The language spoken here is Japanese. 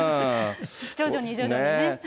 徐々に徐々にね。